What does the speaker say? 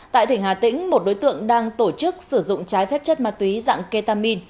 tại tỉnh hà tĩnh một đối tượng đang tổ chức sử dụng trái phép chất ma túy dạng ketamin